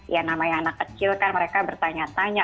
ya namanya anak kecil kan mereka bertanya tanya